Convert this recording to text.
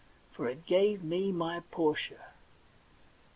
For it gave me my Portia.